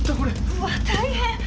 うわ大変！